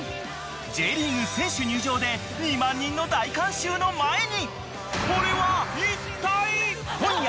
Ｊリーグ選手入場で２万人の大観衆の前にこれは一体？